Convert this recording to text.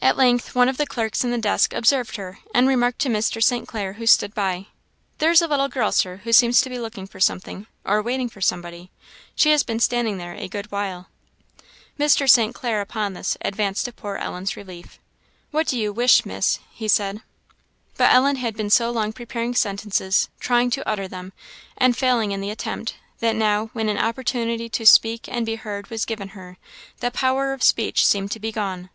At length one of the clerks in the desk observed her, and remarked to Mr. St. Clair, who stood by, "There is a little girl, Sir, who seems to be looking for something, or waiting for somebody; she has been standing there a good while." Mr. St. Clair, upon this, advanced to poor Ellen's relief. "What do you wish, miss?" he said. But Ellen had been so long preparing sentences, trying to utter them, and failing in the attempt, that now, when an opportunity to speak and be heard was given her, the power of speech seemed to be gone.